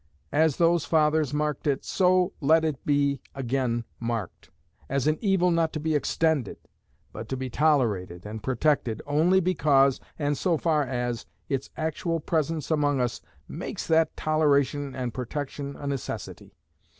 As those fathers marked it, so let it be again marked, as an evil not to be extended, but to be tolerated and protected only because, and so far as, its actual presence among us makes that toleration and protection a necessity.